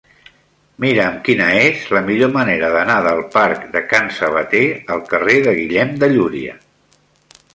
Mira'm quina és la millor manera d'anar del parc de Can Sabater al carrer de Guillem de Llúria.